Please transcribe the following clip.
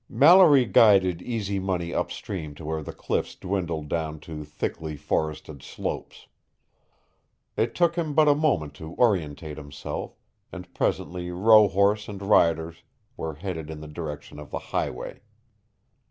Mallory guided Easy Money upstream to where the cliffs dwindled down to thickly forested slopes. It took him but a moment to orientate himself, and presently rohorse and riders were headed in the direction of the highway.